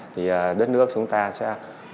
thì đất nước chúng ta sẽ